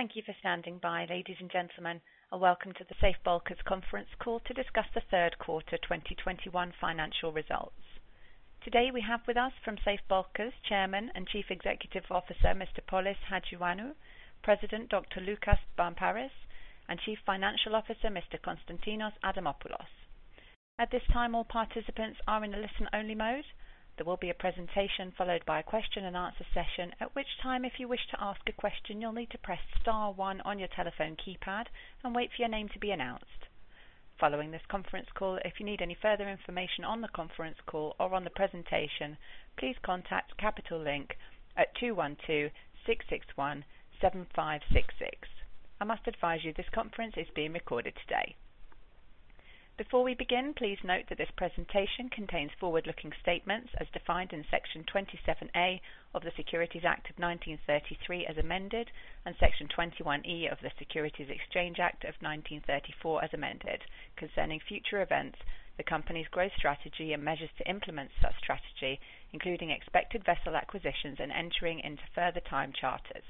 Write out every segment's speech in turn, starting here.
Thank you for standing by, ladies and gentlemen, and welcome to the Safe Bulkers conference call to discuss the third quarter 2021 financial results. Today we have with us from Safe Bulkers, Chairman and Chief Executive Officer, Mr. Polys Hajioannou, President Dr. Loukas Barmparis, and Chief Financial Officer, Mr. Konstantinos Adamopoulos. At this time, all participants are in a listen-only mode. There will be a presentation followed by a question and answer session. At which time, if you wish to ask a question, you'll need to press star one on your telephone keypad and wait for your name to be announced. Following this conference call, if you need any further information on the conference call or on the presentation, please contact Capital Link at 212-661-7566. I must advise you this conference is being recorded today. Before we begin, please note that this presentation contains forward-looking statements as defined in Section 27A of the Securities Act of 1933, as amended, and Section 21E of the Securities Exchange Act of 1934, as amended, concerning future events, the company's growth strategy, and measures to implement such strategy, including expected vessel acquisitions and entering into further time charters.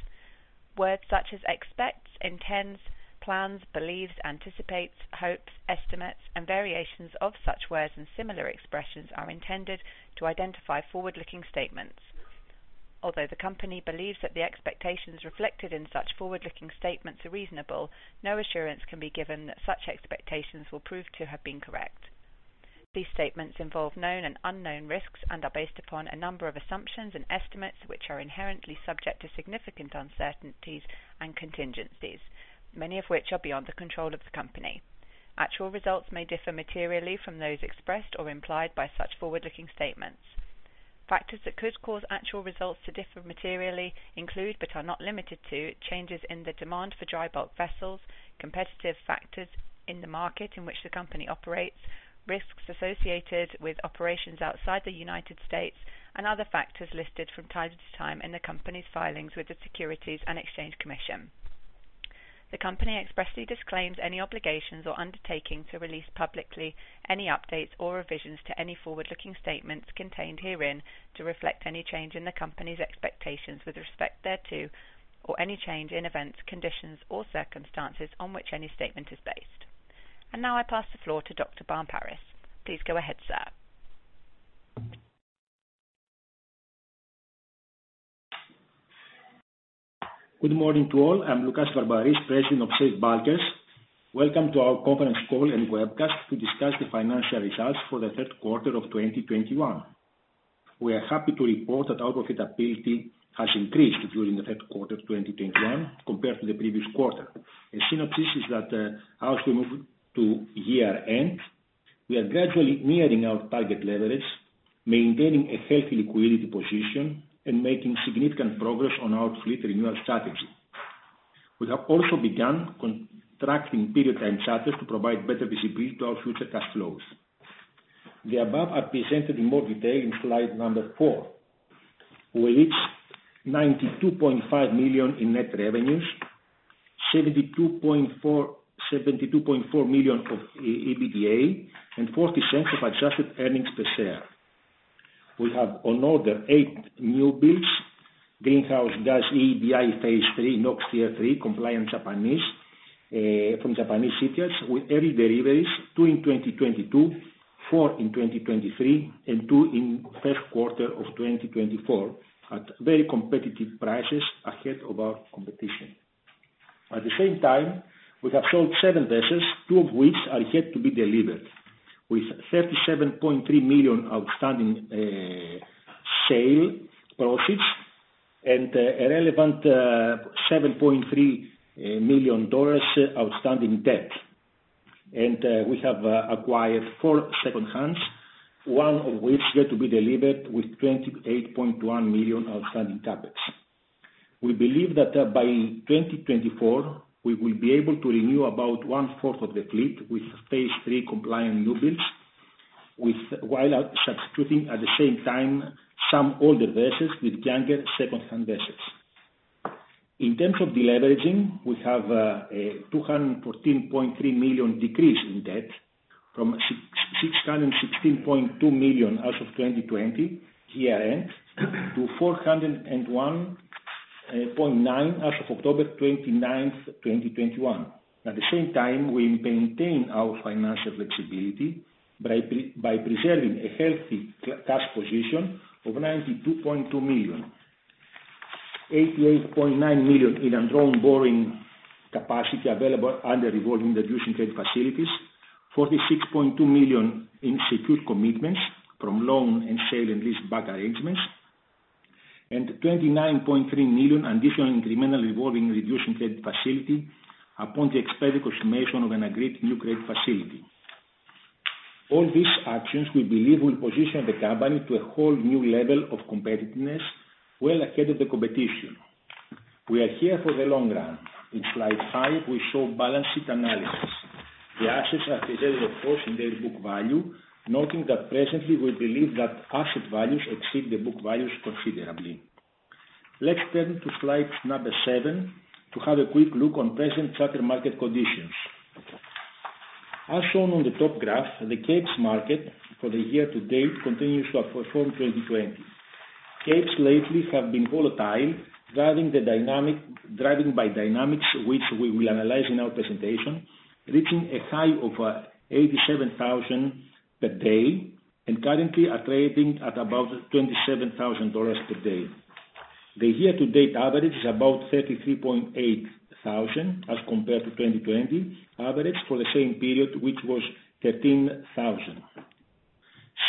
Words such as expects, intends, plans, believes, anticipates, hopes, estimates, and variations of such words and similar expressions are intended to identify forward-looking statements. Although the company believes that the expectations reflected in such forward-looking statements are reasonable, no assurance can be given that such expectations will prove to have been correct. These statements involve known and unknown risks and are based upon a number of assumptions and estimates, which are inherently subject to significant uncertainties and contingencies, many of which are beyond the control of the company. Actual results may differ materially from those expressed or implied by such forward-looking statements. Factors that could cause actual results to differ materially include, but are not limited to, changes in the demand for dry bulk vessels, competitive factors in the market in which the company operates, risks associated with operations outside the United States, and other factors listed from time to time in the company's filings with the Securities and Exchange Commission. The company expressly disclaims any obligations or undertaking to release publicly any updates or revisions to any forward-looking statements contained herein to reflect any change in the company's expectations with respect thereto or any change in events, conditions, or circumstances on which any statement is based. Now I pass the floor to Dr. Barmparis. Please go ahead, sir. Good morning to all. I'm Loukas Barmparis, President of Safe Bulkers. Welcome to our conference call and webcast to discuss the financial results for the third quarter of 2021. We are happy to report that our profitability has increased during the third quarter of 2021 compared to the previous quarter. The synopsis is that, as we move to year-end, we are gradually nearing our target leverage, maintaining a healthy liquidity position and making significant progress on our fleet renewal strategy. We have also begun contracting period time charters to provide better visibility to our future cash flows. The above are presented in more detail in slide number four, where it's $92.5 million in net revenues, $72.4 million of EBITDA, and $0.40 of adjusted earnings per share. We have on order eight new builds, greenhouse gas EEDI Phase III NOx Tier III compliant Japanese from Japanese shipyards, with early deliveries, two in 2022, four in 2023, and two in third quarter of 2024 at very competitive prices ahead of our competition. At the same time, we have sold seven vessels, two of which are yet to be delivered. With $37.3 million outstanding sale proceeds and $7.3 million outstanding debt. We have acquired four second-hands, one of which yet to be delivered with $28.1 million outstanding CapEx. We believe that by 2024, we will be able to renew about one-fourth of the fleet with Phase III compliant new builds while substituting at the same time some older vessels with younger second-hand vessels. In terms of deleveraging, we have a $214.3 million decrease in debt from $616.2 million as of 2020 year-end to $401.9 million as of October 29, 2021. At the same time, we maintain our financial flexibility by preserving a healthy cash position of $92.2 million. $88.9 million in undrawn borrowing capacity available under revolving and reducing credit facilities, $46.2 million in secured commitments from loan and sale and leaseback arrangements, and $29.3 million additional incremental revolving reducing credit facility upon the expected consummation of an agreed new credit facility. All these actions we believe will position the company to a whole new level of competitiveness well ahead of the competition. We are here for the long run. In slide five, we show balance sheet analysis. The assets are presented, of course, in their book value, noting that presently we believe that asset values exceed the book values considerably. Let's turn to slide number seven to have a quick look on present charter market conditions. As shown on the top graph, the Capes market for the year to date continues to outperform 2020. Capes lately have been volatile, driving by dynamics which we will analyze in our presentation, reaching a high of 87,000 per day, and currently are trading at about $27,000 per day. The year to date average is about 33,800 as compared to 2020 average for the same period, which was 13,000.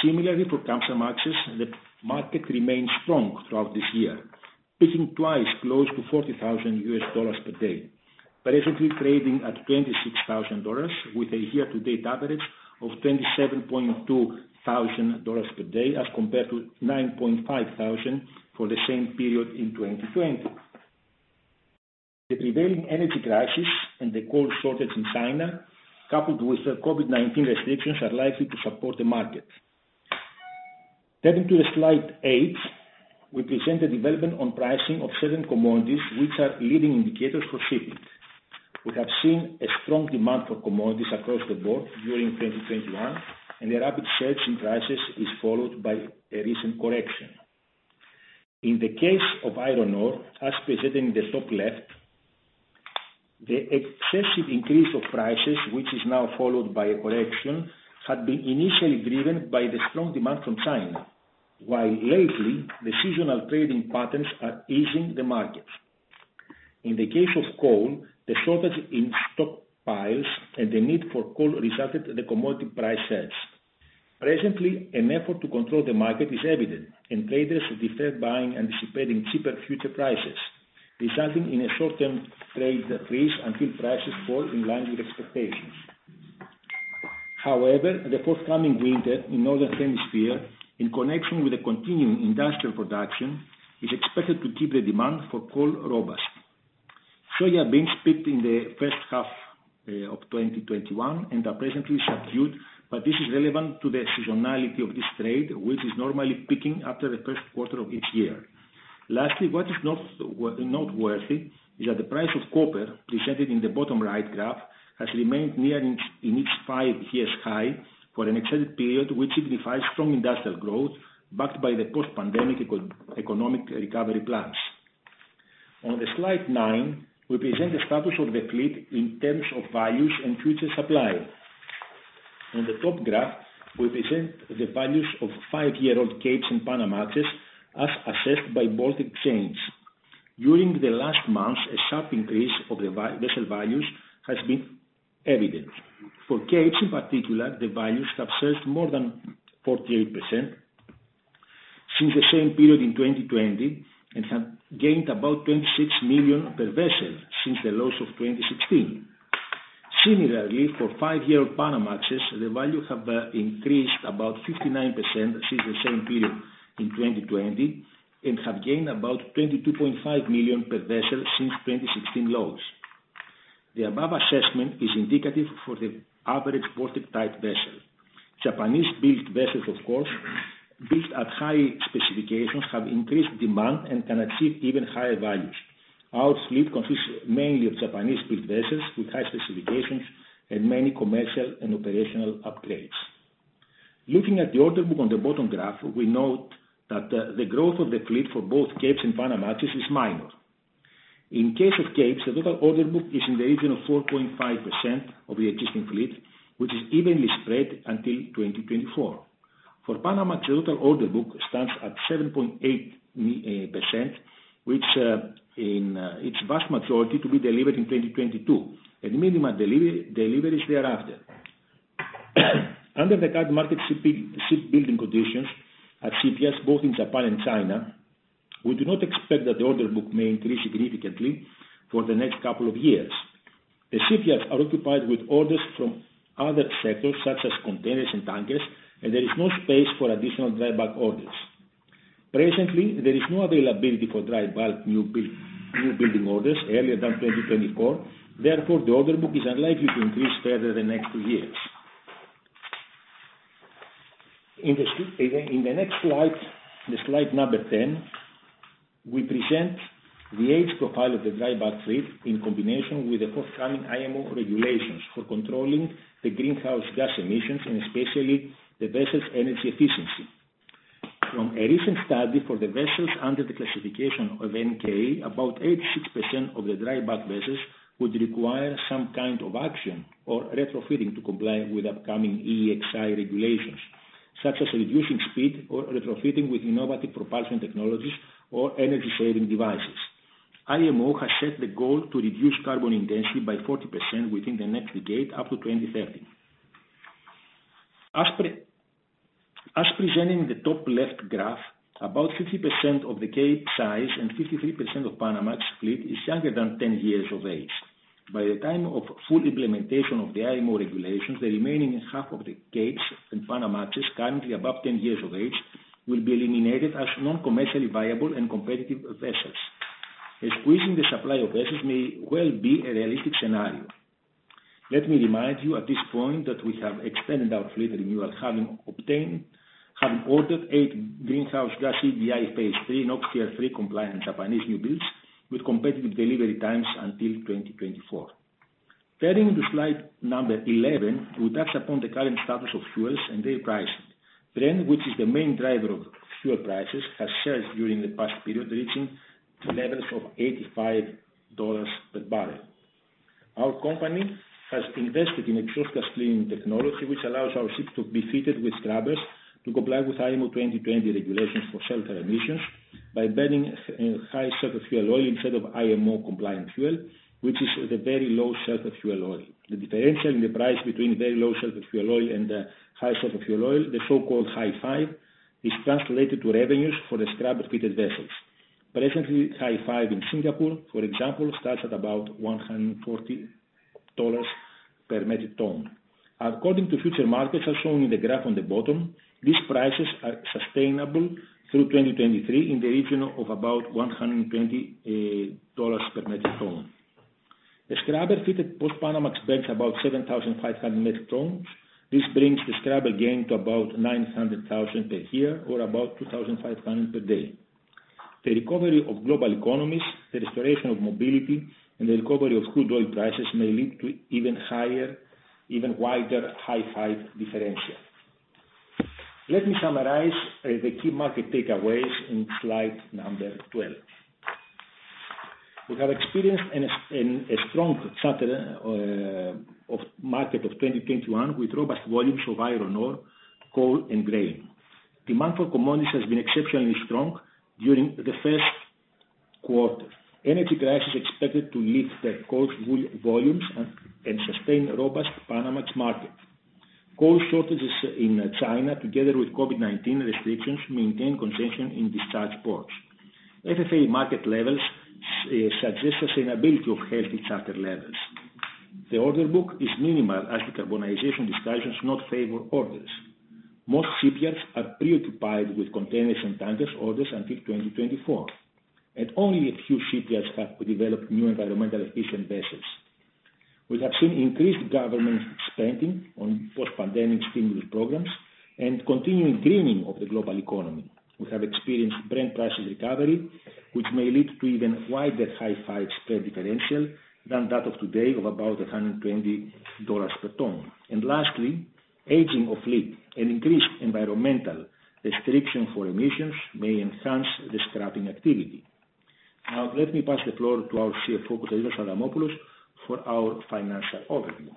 Similarly for Panamax, the market remains strong throughout this year, peaking twice close to $40,000 per day. Presently trading at $26,000 with a year to date average of $27,200 per day, as compared to $9,500 for the same period in 2020. The prevailing energy crisis and the coal shortage in China, coupled with the COVID-19 restrictions, are likely to support the market. Turning to the slide 8, we present the development on pricing of certain commodities which are leading indicators for shipping. We have seen a strong demand for commodities across the board during 2021, and a rapid surge in prices is followed by a recent correction. In the case of iron ore, as presented in the top left, the excessive increase of prices, which is now followed by a correction, had been initially driven by the strong demand from China, while lately the seasonal trading patterns are easing the market. In the case of coal, the shortage in stockpiles and the need for coal resulted in the commodity price surge. Presently, an effort to control the market is evident and traders have deferred buying, anticipating cheaper future prices, resulting in a short-term trade freeze until prices fall in line with expectations. However, the forthcoming winter in Northern Hemisphere, in connection with the continuing industrial production, is expected to keep the demand for coal robust. Soybeans peaked in the first half of 2021 and are presently subdued, but this is relevant to the seasonality of this trade, which is normally peaking after the first quarter of each year. Lastly, what is noteworthy is that the price of copper presented in the bottom right graph has remained near its five-year high for an extended period, which signifies strong industrial growth backed by the post-pandemic economic recovery plans. On slide nine, we present the status of the fleet in terms of values and future supply. On the top graph, we present the values of five-year-old Capes and Panamax as assessed by both exchanges. During the last month, a sharp increase of the vessel values has been evident. For Capes in particular, the values have surged more than 48% since the same period in 2020, and have gained about $26 million per vessel since the lows of 2016. Similarly, for five-year Panamax, the values have increased about 59% since the same period in 2020, and have gained about $22.5 million per vessel since 2016 lows. The above assessment is indicative for the average vessel type vessel. Japanese-built vessels, of course, built at high specifications, have increased demand and can achieve even higher values. Our fleet consists mainly of Japanese-built vessels with high specifications and many commercial and operational upgrades. Looking at the order book on the bottom graph, we note that the growth of the fleet for both Capes and Panamax is minor. In case of Capes, the total order book is in the region of 4.5% of the existing fleet, which is evenly spread until 2024. For Panamax, the total order book stands at 7.8%, which, in its vast majority to be delivered in 2022, and minimum deliveries thereafter. Under the current market shipbuilding conditions at shipyards both in Japan and China, we do not expect that the order book may increase significantly for the next couple of years. The shipyards are occupied with orders from other sectors such as containers and tankers, and there is no space for additional dry bulk orders. Presently, there is no availability for dry bulk newbuilding orders earlier than 2024. Therefore, the order book is unlikely to increase further the next two years. In the next slide, the slide number 10, we present the age profile of the dry bulk fleet in combination with the forthcoming IMO regulations for controlling the greenhouse gas emissions and especially the vessels energy efficiency. From a recent study for the vessels under the classification of NK, about 86% of the dry bulk vessels would require some kind of action or retrofitting to comply with upcoming EEXI regulations, such as reducing speed or retrofitting with innovative propulsion technologies or energy-saving devices. IMO has set the goal to reduce carbon intensity by 40% within the next decade up to 2030. As presented in the top left graph, about 50% of the Capesize and 53% of Panamax fleet is younger than 10 years of age. By the time of full implementation of the IMO regulations, the remaining half of the Capesize and Panamax, currently above 10 years of age, will be eliminated as non-commercially viable and competitive vessels. Squeezing the supply of vessels may well be a realistic scenario. Let me remind you at this point that we have expanded our fleet renewal, having ordered 8 EEDI Phase III and NOx Tier III compliant Japanese new builds with competitive delivery times until 2024. Heading into slide 11, we touch upon the current status of fuels and their pricing. Brent, which is the main driver of fuel prices, has surged during the past period, reaching levels of $85 per barrel. Our company has invested in exhaust gas cleaning technology, which allows our ships to be fitted with scrubbers to comply with IMO 2020 regulations for sulfur emissions by burning high sulfur fuel oil instead of IMO compliant fuel, which is the very low sulfur fuel oil. The differential in the price between very low sulfur fuel oil and the high sulfur fuel oil, the so-called Hi5, is translated to revenues for the scrubber-fitted vessels. Presently, Hi5 in Singapore, for example, starts at about $140 per metric ton. According to futures markets, as shown in the graph on the bottom, these prices are sustainable through 2023 in the region of about $120 per metric ton. A scrubber-fitted post-Panamax spends about 7,500 metric tons. This brings the scrubber gain to about $900,000 per year or about $2,500 per day. The recovery of global economies, the restoration of mobility, and the recovery of crude oil prices may lead to even higher, even wider Hi5 differential. Let me summarize the key market takeaways in slide 12. We have experienced a strong charter market of 2021 with robust volumes of iron ore, coal, and grain. Demand for commodities has been exceptionally strong during the first quarter. Energy prices expected to lift the coal volumes and sustain robust Panamax market. Coal shortages in China together with COVID-19 restrictions maintain congestion in discharge ports. FFA market levels suggests sustainability of healthy charter levels. The order book is minimal as decarbonization discussions do not favor orders. Most shipyards are preoccupied with containers and tankers orders until 2024, and only a few shipyards have developed new environmentally efficient vessels. We have seen increased government spending on post-pandemic stimulus programs and continuing greening of the global economy. We have experienced Brent prices recovery, which may lead to even wider Hi5 spread differential than that of today of about $120 per ton. Lastly, aging of fleet and increased environmental restriction for emissions may enhance the scrapping activity. Now let me pass the floor to our CFO, Kostas Adamopoulos, for our financial overview.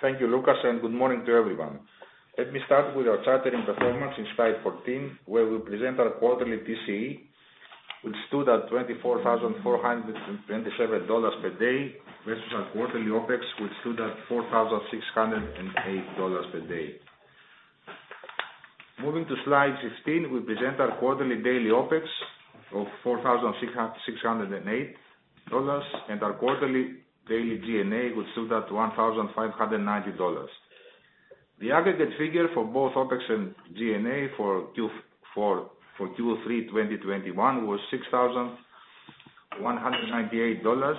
Thank you, Loukas, and good morning to everyone. Let me start with our chartering performance in slide 14, where we present our quarterly TCE, which stood at $24,427 per day versus our quarterly OpEx, which stood at $4,608 per day. Moving to slide 15, we present our quarterly daily OpEx of $4,608 and our quarterly daily G&A, which stood at $1,590. The aggregate figure for both OpEx and G&A for Q3 2021 was $6,198,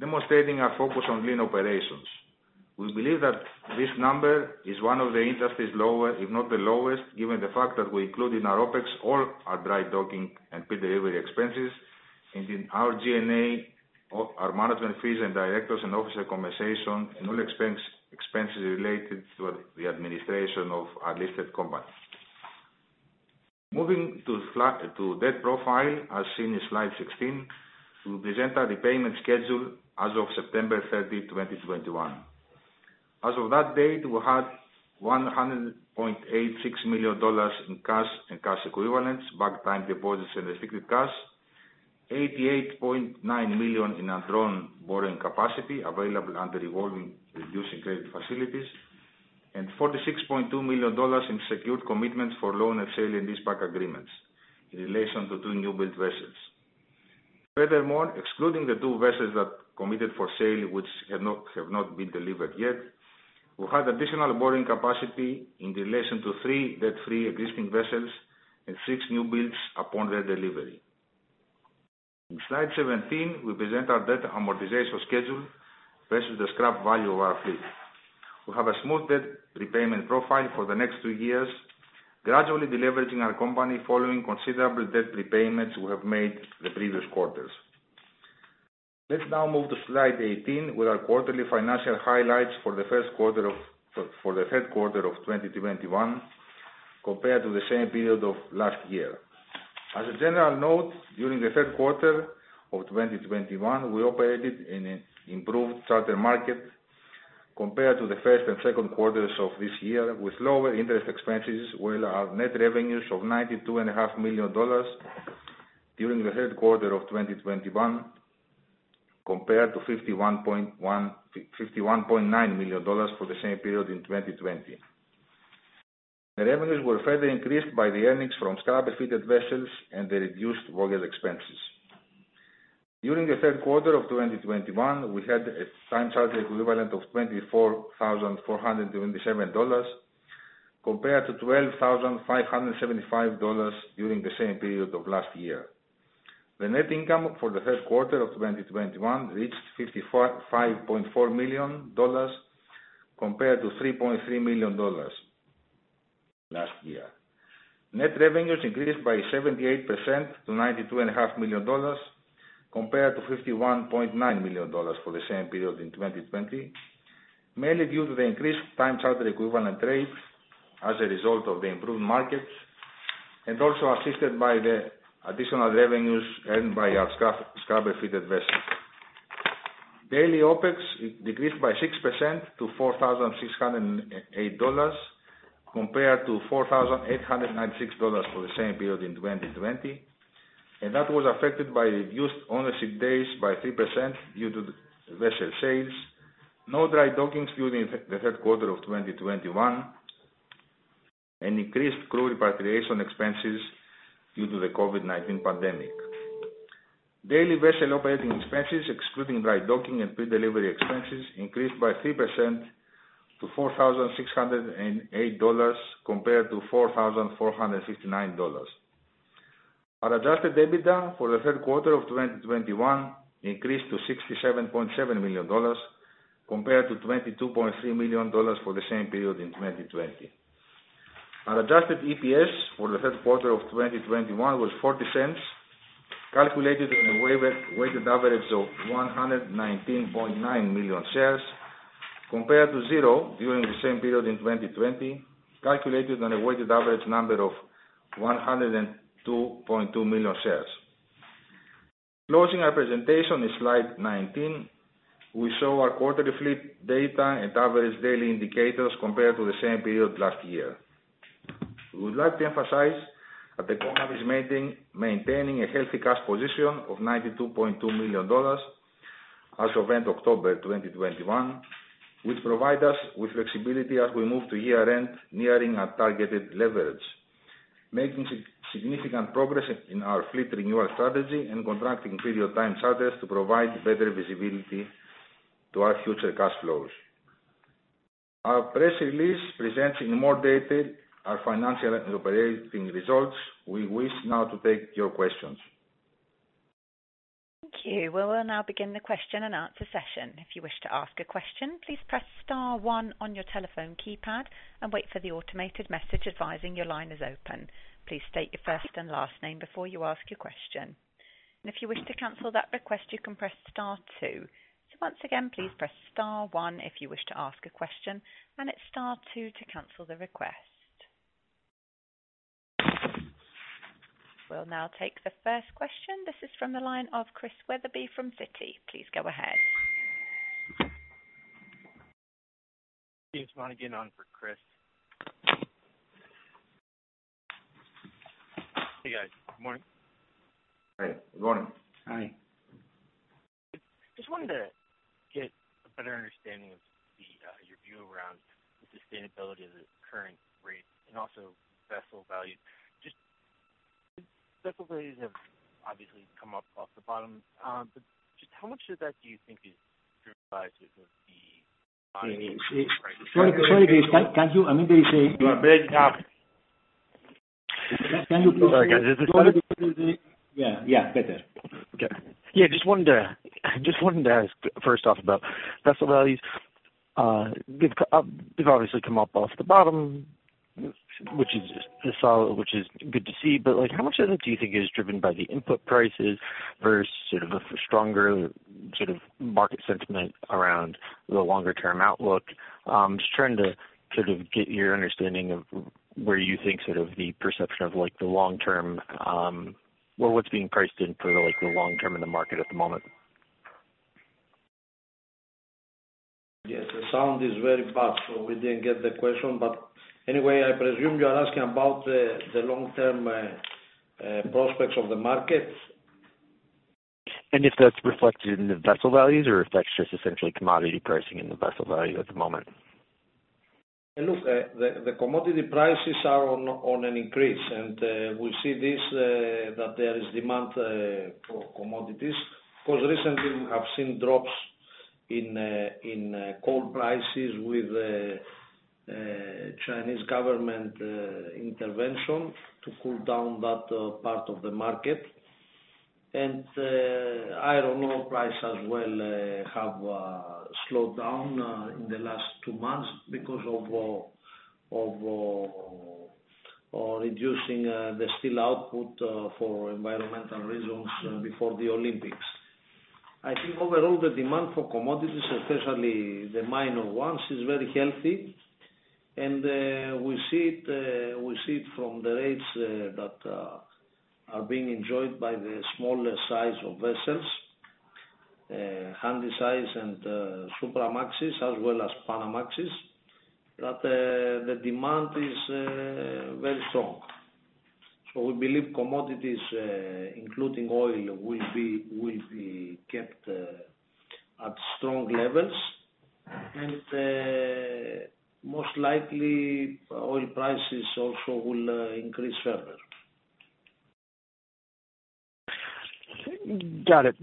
demonstrating our focus on lean operations. We believe that this number is one of the industry's lower, if not the lowest, given the fact that we include in our OpEx all our dry docking and pre-delivery expenses and in our G&A, all our management fees and directors and officers compensation and all expenses related to the administration of our listed company. Moving to our debt profile, as seen in slide 16, we present our repayment schedule as of September 30, 2021. As of that date, we had $100.86 million in cash and cash equivalents, bank time deposits and restricted cash, $88.9 million in undrawn borrowing capacity available under revolving reducing credit facilities, and $46.2 million in secured commitments for sale and leaseback agreements in relation to two newbuild vessels. Furthermore, excluding the two vessels that committed for sale which have not been delivered yet, we have additional borrowing capacity in relation to three debt-free existing vessels and six newbuilds upon their delivery. In slide 17, we present our debt amortization schedule versus the scrap value of our fleet. We have a smooth debt repayment profile for the next two years, gradually de-leveraging our company following considerable debt repayments we have made the previous quarters. Let's now move to slide 18 with our quarterly financial highlights for the third quarter of 2021 compared to the same period of last year. As a general note, during the third quarter of 2021, we operated in an improved charter market compared to the first and second quarters of this year with lower interest expenses, with our net revenues of $92.5 million during the third quarter of 2021 compared to $51.9 million for the same period in 2020. The revenues were further increased by the earnings from scrubber-fitted vessels and the reduced voyage expenses. During the third quarter of 2021, we had a time charter equivalent of $24,427 compared to $12,575 during the same period of last year. The net income for the third quarter of 2021 reached $54.5 million compared to $3.3 million last year. Net revenues increased by 78% to $92.5 million compared to $51.9 million for the same period in 2020, mainly due to the increased time charter equivalent rates as a result of the improved markets, and also assisted by the additional revenues earned by our scrubber-fitted vessels. Daily OpEx decreased by 6% to $4,608 compared to $4,896 for the same period in 2020, and that was affected by reduced ownership days by 3% due to the vessel sales. No dry dockings during the third quarter of 2021 and increased crew repatriation expenses due to the COVID-19 pandemic. Daily vessel operating expenses excluding dry docking and pre-delivery expenses increased by 3% to $4,608 compared to $4,459. Our adjusted EBITDA for the third quarter of 2021 increased to $67.7 million compared to $22.3 million for the same period in 2020. Our adjusted EPS for the third quarter of 2021 was $0.40, calculated on a weighted average of 119.9 million shares compared to zero during the same period in 2020, calculated on a weighted average number of 102.2 million shares. Closing our presentation in slide 19, we show our quarterly fleet data and average daily indicators compared to the same period last year. We would like to emphasize that the company is maintaining a healthy cash position of $92.2 million as of end October 2021, which provide us with flexibility as we move to year-end nearing our targeted leverage, making significant progress in our fleet renewal strategy and contracting period time charters to provide better visibility to our future cash flows. Our press release presents in more detail our financial and operating results. We wish now to take your questions. Thank you. We will now begin the question and answer session. If you wish to ask a question, please press star one on your telephone keypad and wait for the automated message advising your line is open. Please state your first and last name before you ask your question. If you wish to cancel that request, you can press star two. Once again, please press star one if you wish to ask a question, and it's star two to cancel the request. We'll now take the first question. This is from the line of Chris Wetherbee from Citi. Please go ahead. Chris Wetherbee on for Chris. Hey, guys. Good morning. Hey, good morning. Hi. Just wanted to get a better understanding of the, your view around the sustainability of the current rate and also vessel value. Just vessel values have obviously come up off the bottom, but just how much of that do you think is driven by sort of the- Sorry, Chris Wetherbee. I mean, there is a. You are breaking up. Can you please- Sorry, guys. Is this better? Yeah, yeah. Better. Okay. Yeah, just wanted to ask first off about vessel values. They've obviously come up off the bottom, which is solid, which is good to see. Like, how much of it do you think is driven by the input prices versus sort of a stronger sort of market sentiment around the longer term outlook? Just trying to sort of get your understanding of where you think sort of the perception of, like, the long-term. Well, what's being priced in for, like, the long-term in the market at the moment? Yes. The sound is very bad, so we didn't get the question. Anyway, I presume you are asking about the long-term prospects of the market. If that's reflected in the vessel values or if that's just essentially commodity pricing in the vessel value at the moment? Look, the commodity prices are on an increase. We see that there is demand for commodities. Of course, recently we have seen drops in coal prices with Chinese government intervention to cool down that part of the market. Iron ore price as well have slowed down in the last two months because of reducing the steel output for environmental reasons before the Olympics. I think overall the demand for commodities, especially the minor ones, is very healthy. We see it from the rates that are being enjoyed by the smaller size of vessels, Handysize and Supramax as well as Panamax, that the demand is very strong. We believe commodities, including oil will be kept at strong levels. Most likely oil prices also will increase further. Got it.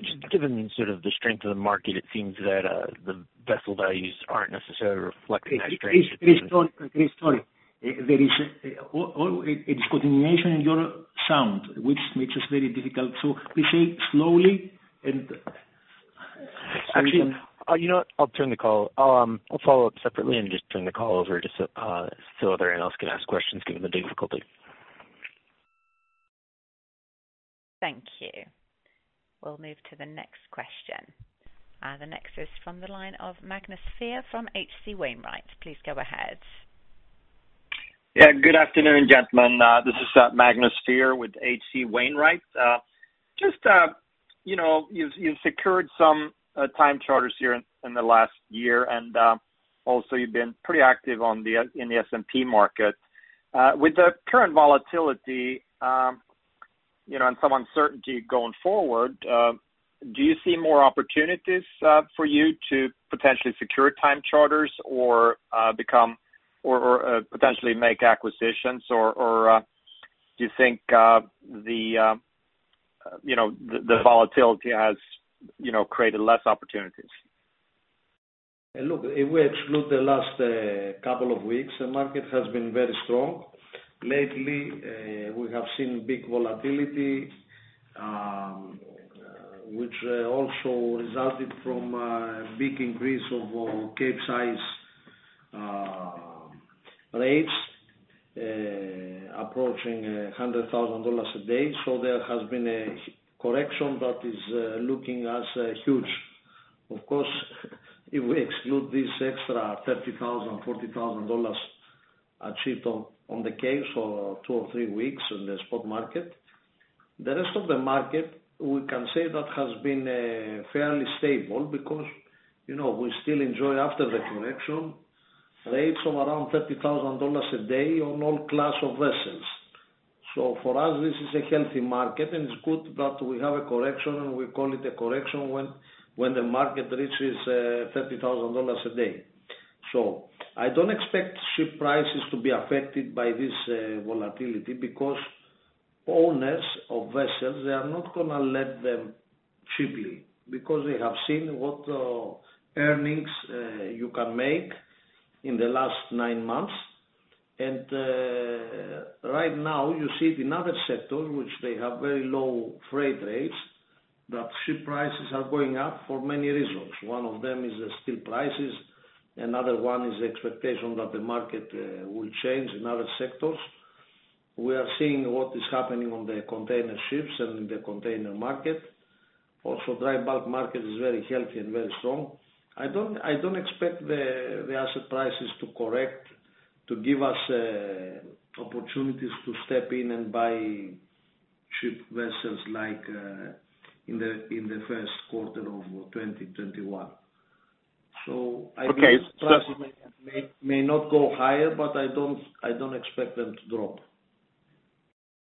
Just given sort of the strength of the market, it seems that the vessel values aren't necessarily reflecting that strength. Chris, sorry. There is a discontinuity in your sound which makes it very difficult. Please speak slowly and Actually, you know what? I'll turn the call. I'll follow up separately and just turn the call over just so other analysts can ask questions given the difficulty. Thank you. We'll move to the next question. The next is from the line of Magnus Fyhr from H.C. Wainwright. Please go ahead. Yeah. Good afternoon, gentlemen. This is Magnus Fyhr with H.C. Wainwright. Just, you know, you've secured some time charters here in the last year, and also you've been pretty active in the S&P market. With the current volatility, you know, and some uncertainty going forward, do you see more opportunities for you to potentially secure time charters or become or potentially make acquisitions? Or do you think the volatility has created less opportunities? Look, if we exclude the last couple of weeks, the market has been very strong. Lately, we have seen big volatility, which also resulted from a big increase of Capesize rates approaching $100,000 a day. There has been a correction that is looking as huge. Of course, if we exclude this extra $30,000-$40,000 achieved on the Capesize for two or three weeks in the spot market, the rest of the market we can say that has been fairly stable because, you know, we still enjoy after the correction rates of around $30,000 a day on all class of vessels. For us, this is a healthy market, and it's good that we have a correction, and we call it a correction when the market reaches $30,000 a day. I don't expect ship prices to be affected by this volatility because owners of vessels, they are not gonna let them cheaply because they have seen what earnings you can make in the last nine months. Right now you see it in other sectors which they have very low freight rates, that ship prices are going up for many reasons. One of them is the steel prices. Another one is the expectation that the market will change in other sectors. We are seeing what is happening on the container ships and in the container market. Also, dry bulk market is very healthy and very strong. I don't expect the asset prices to correct to give us opportunities to step in and buy cheap vessels like in the first quarter of 2021. I think- Okay. May or may not go higher, but I don't expect them to drop.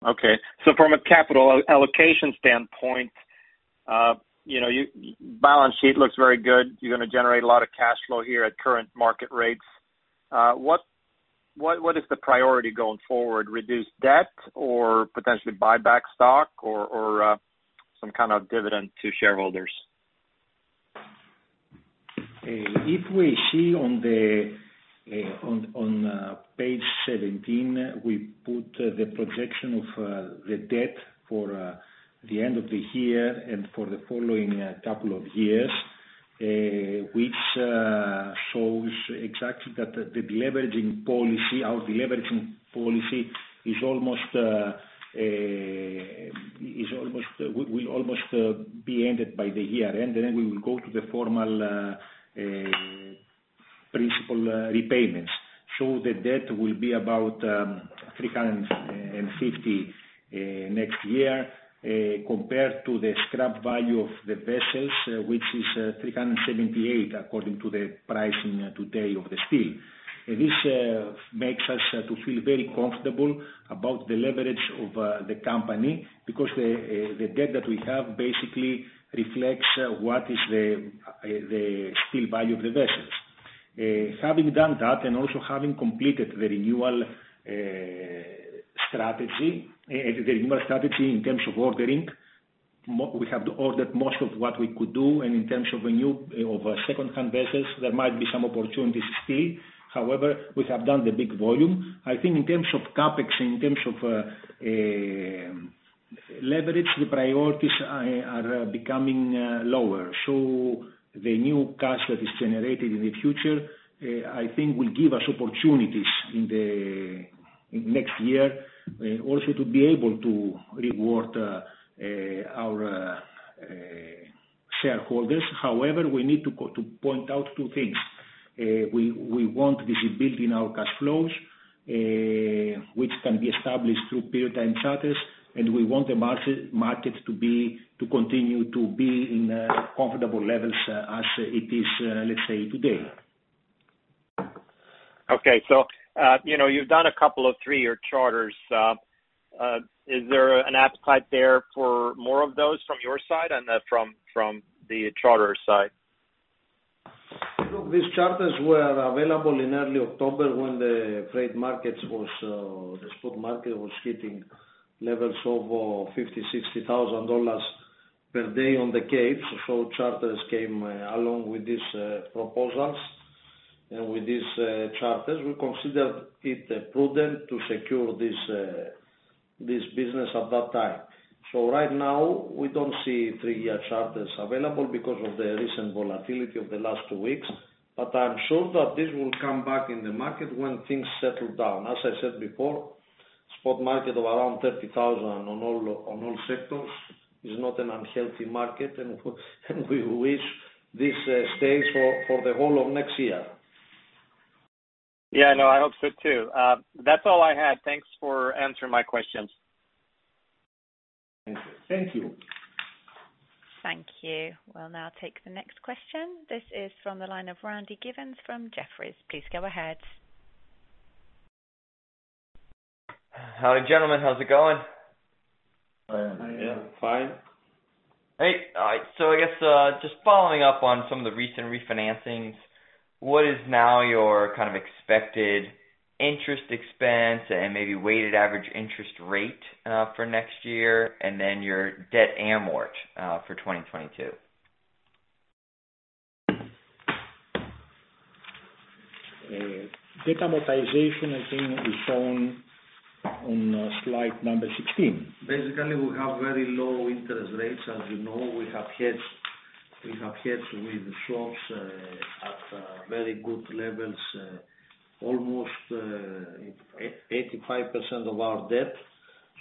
Okay. From a capital allocation standpoint, balance sheet looks very good. You're gonna generate a lot of cash flow here at current market rates. What is the priority going forward, reduce debt or potentially buy back stock or some kind of dividend to shareholders? If we see on page 17, we put the projection of the debt for the end of the year and for the following couple of years, which shows exactly that the deleveraging policy, our deleveraging policy, will almost be ended by the year-end. We will go to the formal principal repayments. The debt will be about $350 next year, compared to the scrap value of the vessels which is $378 according to the pricing today of the steel. This makes us to feel very comfortable about the leverage of the company because the debt that we have basically reflects what is the steel value of the vessels. Having done that and also having completed the renewal strategy in terms of ordering, we have ordered most of what we could do. In terms of renewal of second-hand vessels, there might be some opportunities still. However, we have done the big volume. I think in terms of CapEx, in terms of leverage, the priorities are becoming lower. The new cash that is generated in the future, I think will give us opportunities in the next year, also to be able to reward our shareholders. However, we need to point out two things. We want visibility in our cash flows, which can be established through period time charters, and we want the market to be, to continue to be in comfortable levels as it is, let's say today. Okay. You know, you've done a couple of three-year charters. Is there an appetite there for more of those from your side and from the charter side? Look, these charters were available in early October when the freight markets was the spot market was hitting levels of $50,000-$60,000 per day on the Capes. Charters came along with these proposals. With these charters, we considered it prudent to secure this business at that time. Right now, we don't see three-year charters available because of the recent volatility of the last two weeks. I'm sure that this will come back in the market when things settle down. As I said before, spot market of around $30,000 on all sectors is not an unhealthy market, and we wish this stays for the whole of next year. Yeah, no, I hope so too. That's all I had. Thanks for answering my questions. Thank you. Thank you. We'll now take the next question. This is from the line of Randy Giveans from Jefferies. Please go ahead. Howdy, gentlemen. How's it going? Fine. Yeah. Fine. Great. All right. I guess, just following up on some of the recent refinancings, what is now your kind of expected interest expense and maybe weighted average interest rate, for next year, and then your debt amort, for 2022? Debt amortization I think is shown on slide number 16. Basically, we have very low interest rates. As you know, we have hedged with swaps at very good levels, almost 85% of our debt.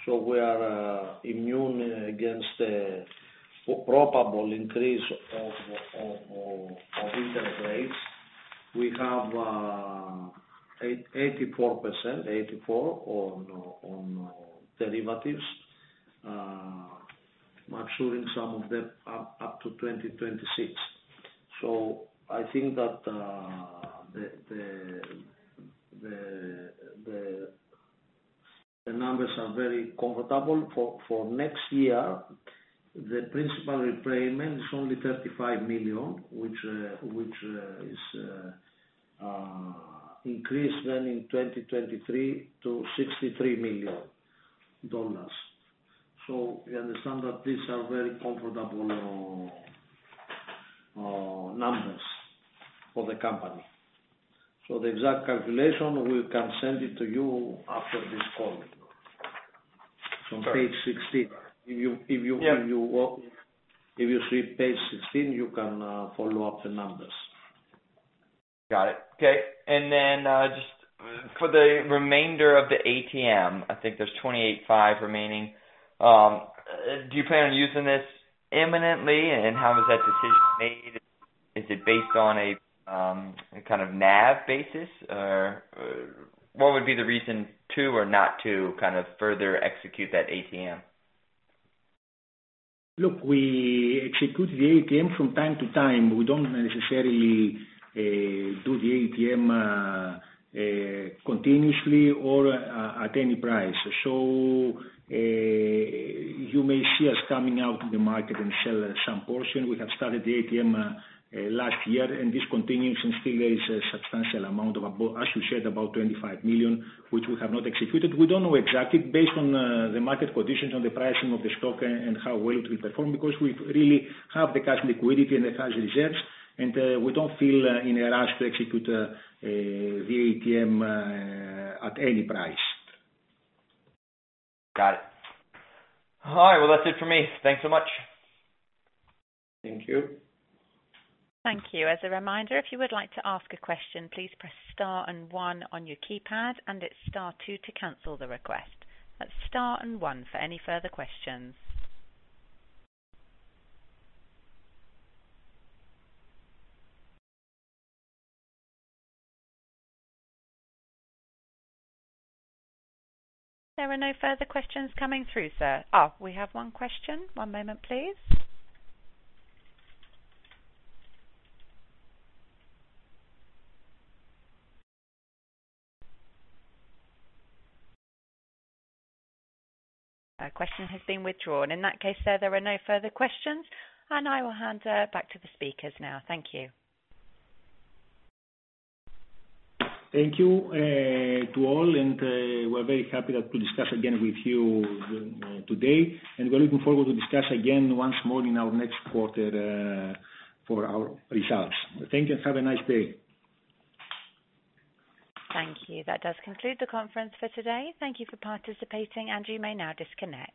We are immune against probable increase of interest rates. We have 84% on derivatives, maturing some of them up to 2026. I think that the numbers are very comfortable. For next year, the principal repayment is only $35 million, which is increased then in 2023 to $63 million. You understand that these are very comfortable numbers for the company. The exact calculation, we can send it to you after this call. From page 16. If you, if you- Yeah. If you read page 16, you can follow up the numbers. Got it. Okay. Just for the remainder of the ATM, I think there's $28.5 remaining. Do you plan on using this imminently? How is that decision made? Is it based on a kind of NAV basis? Or, what would be the reason to or not to kind of further execute that ATM? Look, we execute the ATM from time to time. We don't necessarily do the ATM continuously or at any price. You may see us coming out in the market and sell some portion. We have started the ATM last year, and this continues, and still there is a substantial amount of as you said, about $25 million, which we have not executed. We don't know exactly based on the market conditions on the pricing of the stock and how well it will perform because we really have the cash liquidity and the cash reserves, and we don't feel in a rush to execute the ATM at any price. Got it. All right, well, that's it for me. Thanks so much. Thank you. Thank you. As a reminder, if you would like to ask a question, please press star and one on your keypad, and it's star two to cancel the request. That's star and one for any further questions. There are no further questions coming through, sir. Oh, we have one question. One moment, please. Our question has been withdrawn. In that case, sir, there are no further questions, and I will hand back to the speakers now. Thank you. Thank you to all. We're very happy that we discuss again with you today. We're looking forward to discuss again once more in our next quarter for our results. Thank you, and have a nice day. Thank you. That does conclude the conference for today. Thank you for participating, and you may now disconnect.